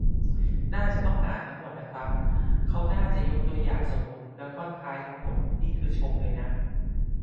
น่าจะต้องอ่านทั้งหมดนะครับ เขาน่าจะยกตัวอย่างสมมติ แล้วท่อนท้ายทั้งหมดนี่คือชมเลยนะ